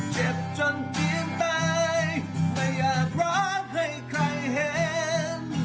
เจ็บจนทีนไปไม่อยากรักให้ใครเห็น